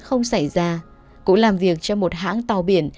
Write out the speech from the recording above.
cũng làm việc cho một hãng tàu biển